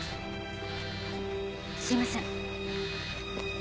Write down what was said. すみません。